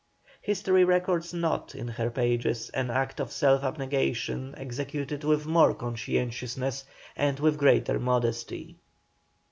History records not in her pages an act of self abnegation executed with more conscientiousness and with greater modesty.